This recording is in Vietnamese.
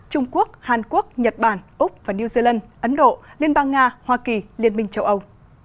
trung quốc hàn quốc nhật bản úc và new zealand ấn độ liên bang nga hoa kỳ liên minh châu âu